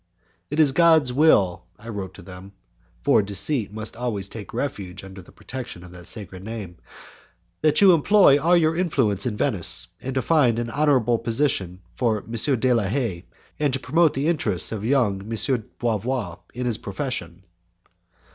"It is God's will," I wrote to them (for deceit must always take refuge under the protection of that sacred name), "that you employ all your influence in Venice to find an honourable position for M. de la Haye, and to promote the interests of young M. Bavois in his profession."